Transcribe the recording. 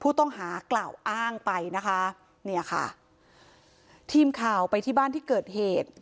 ผู้ต้องหากล่าวอ้างไปนะคะเนี่ยค่ะทีมข่าวไปที่บ้านที่เกิดเหตุ